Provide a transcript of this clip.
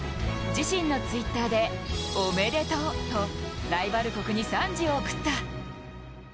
自身のＴｗｉｔｔｅｒで「おめでとう」とライバル国に賛辞を送った。